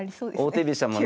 王手飛車もね。